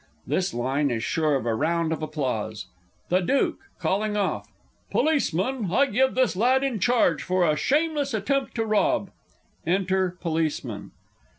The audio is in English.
[This line is sure of a round of applause. The Duke (calling off). Policeman, I give this lad in charge for a shameless attempt to rob, Enter Policeman.